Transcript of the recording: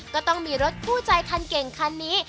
ก็ต้องมีรถคู่ใจคันเก่งคันนี้